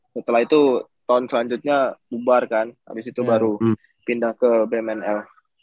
setelah itu tahun selanjutnya bubar kan habis itu baru pindah ke bmnl